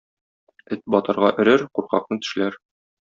Эт батырга өрер, куркакны тешләр.